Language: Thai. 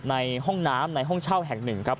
ในห้องน้ำในห้องเช่าแห่งหนึ่งครับ